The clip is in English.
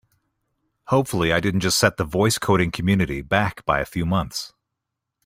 Hopefully I didn't just set the voice coding community back by a few months!